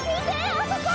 あそこ！